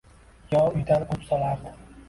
yo uydan quvib solardi.